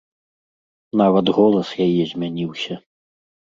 Нават голас яе змяніўся.